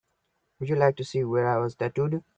Would you like to see where I was tattooed?